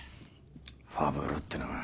ファブルってのは。